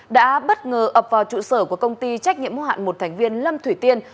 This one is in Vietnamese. đã bất ngờ ập vào trụ sở của công ty trách nhiệm mô hạn một thành viên lâm thủy tiên